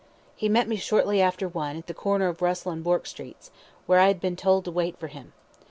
He met me shortly after one, at the corner of Russell and Bourke Streets, where I had been told to wait for him.